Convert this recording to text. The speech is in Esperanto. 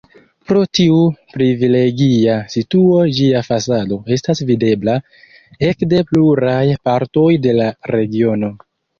Pro tiu privilegia situo ĝia fasado estas videbla ekde pluraj partoj de la regiono.